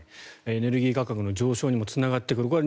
エネルギー価格の上昇にもつながってくる。